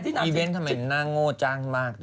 นางอีเวนต์ทำไมหน้าโง่จ้างมาก